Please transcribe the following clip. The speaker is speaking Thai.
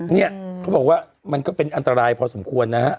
เนี่ยเขาบอกว่ามันก็เป็นอันตรายพอสมควรนะฮะ